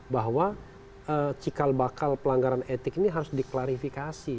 bahwa cikal bakal pelanggaran etik ini harus diklarifikasi